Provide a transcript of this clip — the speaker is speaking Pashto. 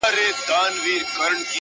له تا قربان سم مهربانه بابا!